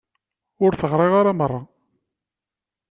Ur t-ɣriɣ ara merra.